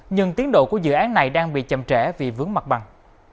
nhưng tiến độ của dự án này đang bị chậm trễ vì vướng mặt bằng